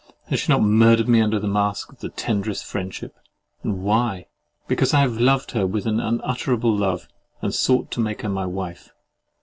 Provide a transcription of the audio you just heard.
Has she not murdered me under the mask of the tenderest friendship? And why? Because I have loved her with unutterable love, and sought to make her my wife.